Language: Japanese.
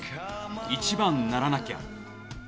「１番ならなきゃ」